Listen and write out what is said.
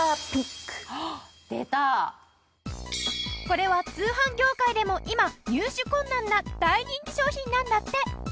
これは通販業界でも今入手困難な大人気商品なんだって！